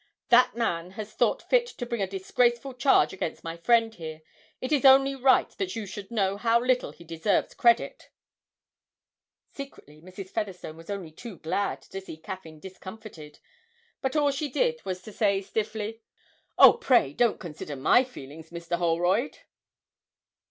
That man has thought fit to bring a disgraceful charge against my friend here it is only right that you should know how little he deserves credit!' Secretly Mrs. Featherstone was only too glad to see Caffyn discomfited, but all she did was to say stiffly, 'Oh, pray don't consider my feelings, Mr. Holroyd!'